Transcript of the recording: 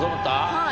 はい。